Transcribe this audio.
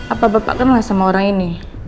apa bapak kenal sama orang ini